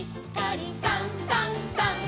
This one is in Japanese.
「さんさんさん」